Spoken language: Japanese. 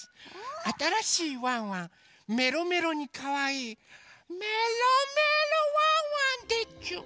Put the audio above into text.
あたらしいワンワンメロメロにかわいいメロメロワンワンでちゅ。